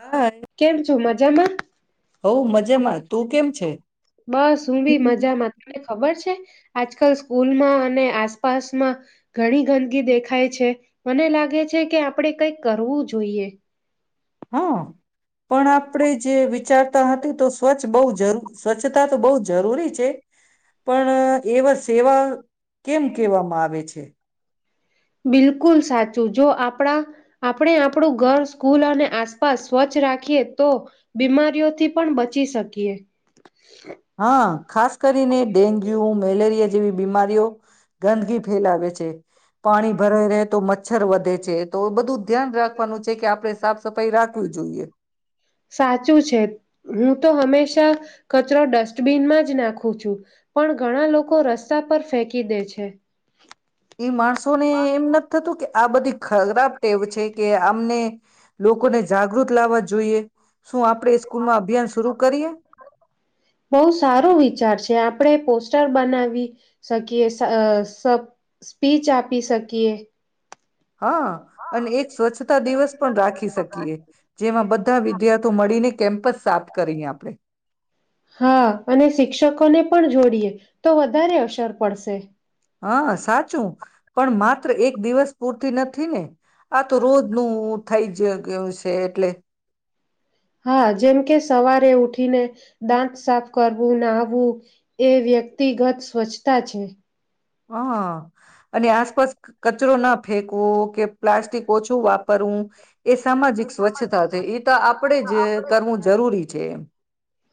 હાય. કેમ છું મજામાં હઉ મજામાં તું કેમ છે? બસ, હું બી મજામાં ત ખબર છે, આજકાલ સ્કૂલમાં અને આસપાસમાં ઘણી ગંદકી દેખાય છે, મને લાગે છે કે આપણેે કઈક કરવું જોઈએ હા, પણ આપણે જે વિચારતા હતી તો સ્વચ્છ બહુ જરૂ સ્વચ્છતા તો બહુ જરૂરી છે પણ એવા સેવા કેમ કેહેવામાં આવે છે બિલકુલ સાચું, જો આપણા આપણે આપણું ઘર સ્કૂલ અને આસપાસ સ્વચ્છ રાખીએ તો બીમારીઓથી પણ બચી શકીએ હા, ખાસ કરીને ડેન્ગ્યુ, મેલેરિયા જેવી બીમારીઓ ગંદગી ફેલાવે છે, પાણી ભરાઈ રહે તો મચ્છર વધે છે, તો બધું ધ્યાન રાખવાનું છે કે આપણે સાપ સાચું છે, હું તો હમેશા કચરો ડસ્ટબિનમાં જ નાખું છું, પણ ઘણા લોકો રસ્તા પર ફેંકી દે છે એ માણસો ને એમ નથી થતું કે આ બધી ખરાબ ટેવ છે કે આમને લોકોને જાગૃત લાવવા જોઈએ શું આપણે સ્કૂલમાં અભિયાન શરુ કરીએ બહુ સારો વિચાર છે આપ આપણે પોસ્ટર બનાવી શકીએ, સ્પીચ આપી શકીએ હા, અને એક સ્વચ્છતા દિવસ પણ રાખી શકીએ જેમાં બધા વિદ્યાર્થી મળીને કેમ્પસ સાફ કરીએ આપણે હા અને શિક્ષકોને પણ જોડીએ તો વધારે અસર પડશે હ સાચું પણ માત્ર એક દિવસ પૂરતી નથી ને આ તો રોજનુ થઈ જ ગીયો છે એટલે. હા જેમ કે સવારે ઉઠીને દાંત સાફ કરવું નાહવું એ વ્યક્તિગત સ્વચ્છતા છે. હ. અને આસપાસ કચરો ના ફેંકવો કે પ્લાસ્ટિક ઓછું વાપ પરું એ સામાજિક સ્વચ્છતા છે. એ તો આપણેે જ કરવું જરૂરી છે એમ.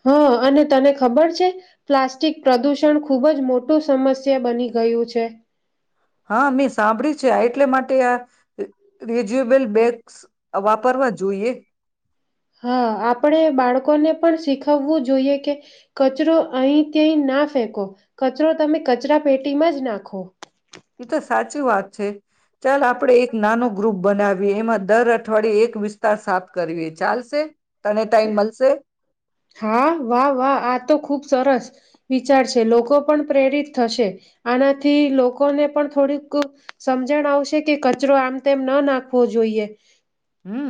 હં અને તને ખબર છે પ્લાસ્ટિક પ્રદૂષણ ખૂબ જ મોટું સમસ્યા બની ગયું છે. હા મેં સાંભડિયું છે આ એટ એટલા માટે આ રિજ્યુબલ બેગ્સ વાપરવા જોઈએ. હા આપણેે બાળકોને પણ શીખવવું જોઈએ કે કચરો અહી તૈ ના ફેંકો કચરો તમે કચરા પેટીમાં જ નાખો. એ તો સાચી વાત છે. ચાલ આપડે એક નાનું ગ્રુપ બનાવીએ એમાં દર અઠવાડિયે એક વિસ્તાર સાફ કરીએ ચાલશે? તને ટાઈમ મલસે? હા, વાહ, વાહ આ તો ખુબ સરસ વિચાર છે, લોકો પણ પ્રેરિત થશે, આનાથી લોકોને પણ થોડીક સમજણ આવશે કે કચરો આમ તેમ ના નાખવો જોઈએ હમ,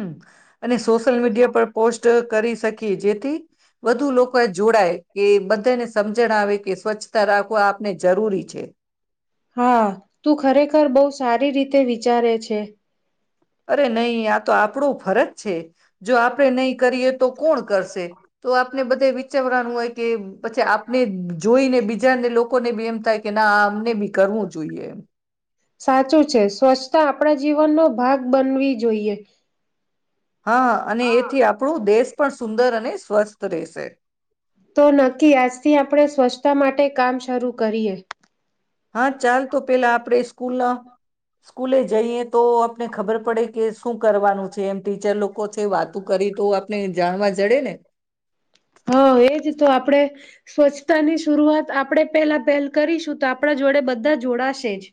અને સોશિયલ મીડિયા પર પોસ્ટ કરી શકીએ જે [inaudible] વધુ લોકો એ જોડાય કે બધાને સમજણ આવે કે સ્વચ્છતા રાખવા આપને જરૂરી છે હા, તું ખરેખર બહુ સારી રીતે વિચારે છે અરે નહી, આ તો આપણું ફરજ છે જો આપડે નહી કરીએ તો કોણ કરશે, તો આપને બધે વિચારવાનું હોય કે પછી આપને જોઈને બીજાને લોકોને બી એમ થાય કે ના અમને બી કરવું જોઈએ સાચું છે સ્વચ્છતા આપણા જીવનનો ભાગ બનવી જોઈએ હા, અને એથી આપણું દેશ પણ સુંદર અને સ્વસ્થ રહેશે તો નક્કી, આજથી આપણે સ્વચ્છતા માટે કામ શરૂ કરીએ હા, ચાલ તો પેલા આપણેે સ્કૂલ, સ્કૂલે જઈએ તો આપને ખબર પડે કે શું કરવાનું છે, એમ ટીચર લોકો કો છે વાત કરી તો આપને જાણવા જડે ને હા, એજ તો આપણેે સ્વચ્છતાની શરૂઆત આપણેે પેલા પહેલ કરીશું તો આપણા જોડે બધા જોડાશે જ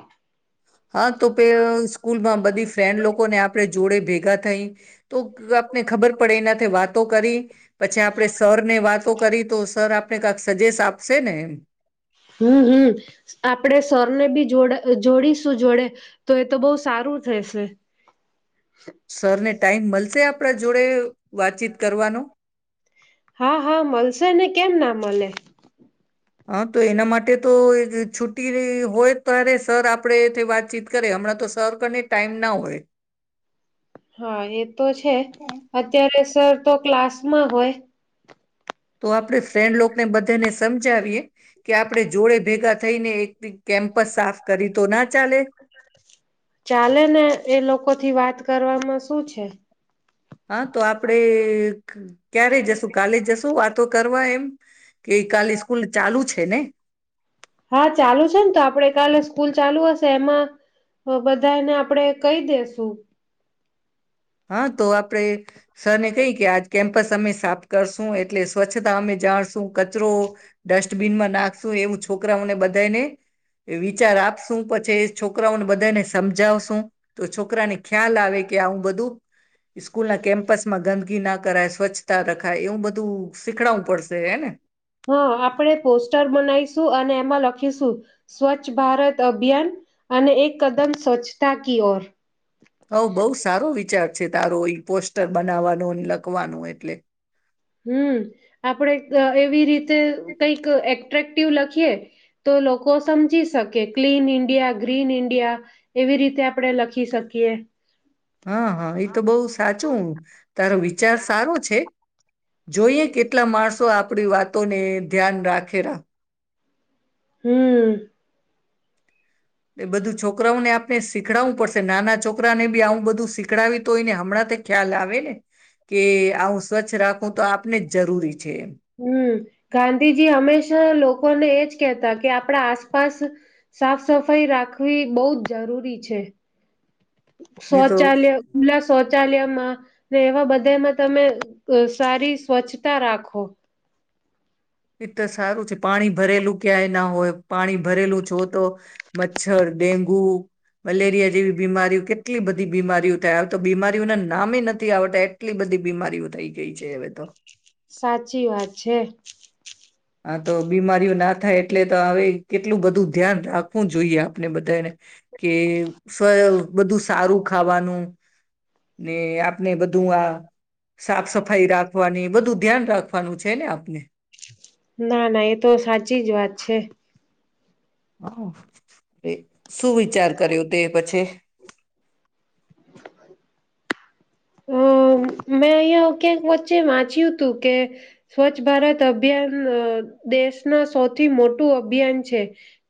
હા તો પેલ સ્કૂલમાં બધી ફ્રેન્ડ લોકોને આપડે જોડે ભેગા થઈ તો આપને ખબર પડે એનાથી વાતો કરી પછી આપણે સરને વાતો કરી તો સર આપ આપને કક સજેેશ આપશે ને એમ હમ્મ હમ્મ આપડે સરને બી જોડ જોડીશું જોડે તો એ તો બહું સારું થશે. સરને ટાઈમ મળશે આપ આપણા જોડે વાતચીત કરવાનુ હા હા મળશે ને કેમ ના મલે. હા તો એના માટે તો છુ્ટી હોય રેય ત્યારે સર આપણેથી વાતચીત કરે હમણાં તો સર કને ટાઈમ ના હોય હા એ તો છે. અત્યારે સર તો ક્લાસમાં હોય. તો આપણે ફ્રેન્ડ લોકને બધાને સમજાવીએ કે આપણે જોડે ભેગા થઈને કેમ્પસ સાફ કરી તો ના ચાલે. ચાલે ને એ લોકોથી વાત કરવામાં શું છે. હા તો આપડે ક્યારે જશું કાલે જશું વાતો કર તો એમ. કે કાલે સ્કૂલ ચાલુ છે ને હા ચાલુ છે ને તો આપડે કાલે સ્કૂલ ચાલુ હશે એમાં બધાને આપડે કહી દેસુ. હા તો આપડે સરને કહી કે આજ કેમ્પ પસ અમે સાફ કરશું એટલે સ્વચ્છતા અમે જાળશું. તું કચરો ડસ્ટ ડસ્ટબીનમાં નાખશું એવું છોકરાઓને બધાયને વિચાર આપશું પછી છોકરાઓને બધાયને સમજાવશું તો છોકરાને ખ્યાલ આવે કે આવું બધું સ્કૂલના કેમ્પસમાં ગંદકી ના કરાય સ્વચ્છતા રખાય એવું બધું શીખડવું પડશે હેને. હા આપણે પોસ્ટર બનાઈશું અને એમાં લખીશું સ્વચ્છ ભારત અભિયાન અને એક કદમ સ્વચ્છતા કી ઓર. હવ બહુ સારો વિચાર છે તારો ઈ પોસ્ટર બનાવવાનો લખવાનું એટલે હમ આપડે જ એવી રીત તે કઈક એક્ટ એટ્રેક્ટિવ લખીએ તો લોકો સમજી શકે ક્લીન ઈન્ડિયા ગ્રીન ઈન્ડિયા એવી રીતે આપણે લખી શકીએ. હા હા એ તો બહુ સાચું તારો વિચાર સારો છે. જોઈએ કેટલા માણસો આપણી વાત વાતો ને ધ્યાન રાખે રાખ. હમ્મ. એ બધું છોકરાઓને આપ ને શીખડવું પડશે નાના ચોક છોકરાને બી આવું બધું શીખડાવી તો હોય ને હમણાં તો ખ્યાલ આવે ને. કે આવું સ્વચ્છ રાખું તો આપને જ જરૂરી છે. હમ ગાંધીજી હંમેશા લોકોને એજ કેહતા કે આપણા આસપાસ, સાફ સફાઈ રાખવી બહુ જ જરૂરી છે. નહી તો શૌચાલય ખુલા શૌચાલયમાં ને એવા બધામાં તમે સારી સ્વચ્છતા રાખો. એ તો સારું છે પાણી ભરેલું ક્યાંય ના હોય પાણી ભરેલું જો તો, મચ્છર ડેન્ગુ મલેરિયા જેવી બીમારીઓ કેટલી બધી બીમારીઓ થાય આ તો બીમારીઓને નામે નથી આવતા એટલી બધી બીમારીઓ થઈ ગઈ છે હવે તો. સાચી વાત છે. હા તો બીમારીઓ ના થાય એટલે તો હવે કેટલું બધું ધ્યાન રાખવું જોઈએ. ને બધાને. કે સ્ બધું સારું. ખાવાનું. ને આપને બધું આ સાફ સફાઈ રાખવાની બધું ધ્યાન રાખ રાખવાનું છે ને આપને. ના ના એ તો સાચી જ વાત છે. હા એ શું વિચાર કર્યો તે પછી. અ મેં અહીયાંયા ક્યાંક વચ્ચે વાંચ્યું હતું કે, સ્વચ્છ ભારત અભિયાન દેશના સૌથી મોટું અભિયાન છે,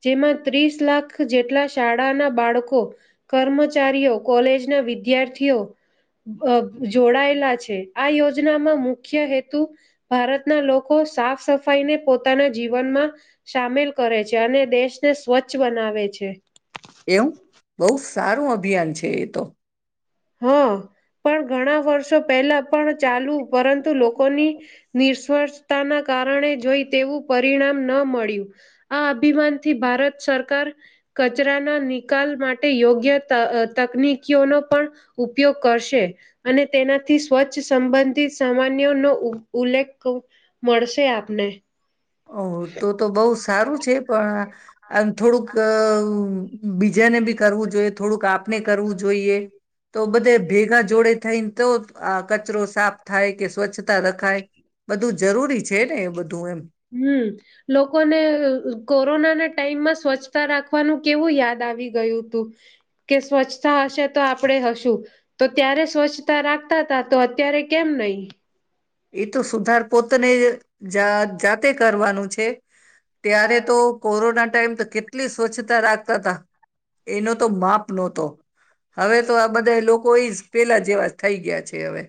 જેમાં ત્રીસ લાખ જેટલા શાળાના બાળકો, કર્મચારીઓ, કોલેજના વિદ્યાર્થીઓ. જોડાયેલા છે આ યોજનામાં મુખ્ય હેતુ, ભારતના લોકો સાફ સફાઈને પોતાના જીવનમાં સામેલ કરે છે, અને દેશને સ્વચ્છ બનાવે છે. એવું બહુ સારું અભિયાન છે એ તો. હા, પણ ઘણા વર્ષો પહેલા પણ ચાલુ પરંતુ લોકોની, નિસવર્તાના કારણે જોઈ તેવું પરિણામ ન મળ્યું, આ અભિમાનથી ભારત સરકાર, કચરાના નિકાલ માટે યોગ્ય તકનીકીઓનો પણ ઉપયોગ કરશે, અને તેનાથી સ્વચ્છ સંબંધિત સામાન્ય નો ઉલ્લેખ મળશે આપને. ઓ તું તો બઉ સારું છે પણ થોડુંક અ બીજાને બી કરવું જોઈએ થોડુંક આપને કરવું જોઈએ, તો બધે ભેગા જોડે થઈને તો આ કચરો સાફ થાય કે સ્વચ્છ તા રખાય, બધું જરૂરી છે ને. બધું એમ. હમ લોકોને કોરોનાના ટાઈમમાં સ્વચ્છતા રાખવાનું કેવું યાદ આવી ગયું હતું, કે સ્વચ્છતા હશે તો આપણે હશું, તો ત્યારે સ્વચ્છતા રાખતા ત તો અત્યારે કેમ નહી. એ તો સુધાર પોતાને જાતે કરવાનું છે. ત્યારે તો કોરોના ટાઈમ તો કેટલી સ્વચ્છતા રાખતા હતા. એનો તો માપ નહોતો. હવે તો આ બધા લોકો એ જ પેલા જેવા થઈ ગયા છે. કે અવે.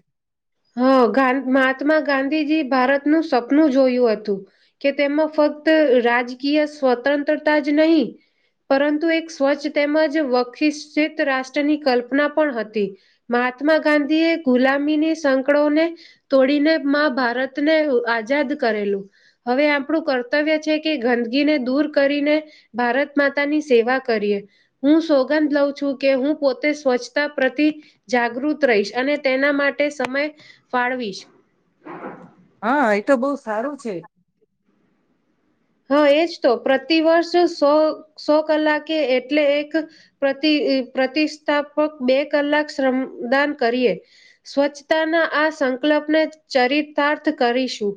હા ગા મહાત્મા ગાંધીજી ભારતનું સપનું જોયું હતું, કે તેમાં ફક્ત રાજકીય સ્વતંત્રતા જ નહી, પરંતુ એક સ્વચ્છ તેમજ વખિસિત રાષ્ટ્રની કલ્પના પણ હતી, મહાત્મા ગાંધી એ ગુલામીની સંક કળોને, તોડીને માં ભારતને આઝાદ કરેલું, હવે આપણું કર્તવ્ય છે કે ગંદગીને દૂર કરીને, ભારત માતાની સેવા કરીએ, હું સોગંદ લઉં છું કે હું પોતે સ્વચ્છતા પ્રતિ, જાગૃત રહીશ અને તેના માટે સમય ફાળવીશ. હા, એ તો બહ સારું છે. હા એજ તો, પ્રતિ વર્ષ સો સો કલાકે એટલે એક, પ્રતિ પ્રતિસ્થાપક બે કલાક શ્રમદાન કરીએ, સ્વચ્છતાના આ સંકલ્પને ચરિતાર્થ કરીશું.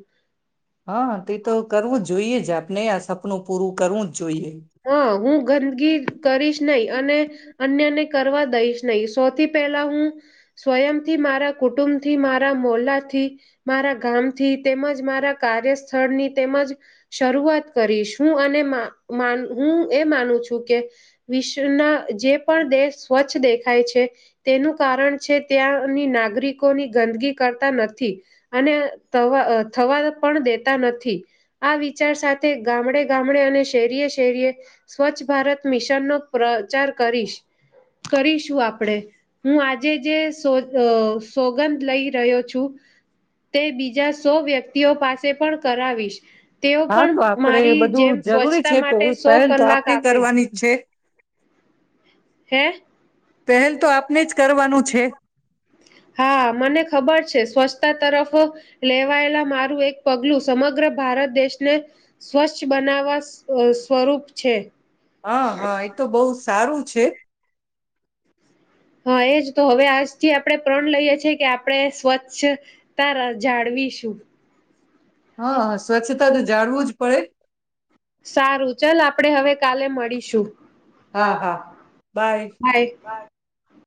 હા તે તો કરવું જોઈએ જ આપ ને સપનું પૂરું કરવું જ જોઈએ. હ હું ગંદગી કરીશ નહી અને, અન્યને કરવા દઈશ નહીં સૌથી પહેલા હું, સ્વયંથી મારા કુટુંબ થી મારા મોલાથી, મારા ગામથી તેમજ મારા કાર્યસ્થળની તેમજ, શરૂઆત કરીશ હું અને મા મા હું એ માનું છું કે, વિશ્વના જે પણ દેશ સ્વચ્છ દેખાય છે, તેનું કારણ છે ત્યાંની નાગરિકોની ગંદગી કરતા નથી, અને તવા થવા પણ દેતા નથી, આ વિચાર સાથે ગામડે ગામડે અને શેરીએ શરીએ સ્વચ્છ ભારત મિશન નો પ્રચાર કરીશ, કરીશું આપણેે, હું આજે જે અ સોગંદ લઈ રહ્યો છું, તે બીજા સો વ્યક્તિઓ પાસે પણ કરાવીશ. તેઓ હા પણ તો આપડે મારી બધું જેમ જરૂરી સ્વચ્છતા છે તો માટે સો પહેલ તો કલાક આપને આપે કરવાની જ છે. હે? પહેલ તો આપને જ [unintelligible] કરવાનું છે હા મને ખબર છે સ્વચ્છતા તરફ લેવાયેલા મારું એક પગલું સમગ્ર ભારત દેશને, સ્વચ્છ બનાવવા સ્વ સ્વરૂપ છે. હા હા એ તો બહુ સારું છે. હ એજ તો હવે આજથી આપણે પ્રણ લઈએ છેએ કે આપણે સ્વચ્છતા જાળવીશું. હા હ સ્વચ્છતા તો જાળવું જ પડે. સારું ચલ આપડે હવે કાલે મળીશું. હા હા, બાય. હા એક વાત.